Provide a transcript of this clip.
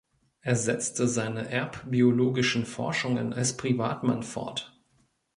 Er setzte seine erbbiologischen Forschungen als Privatmann fort.